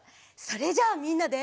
それじゃあみんなで。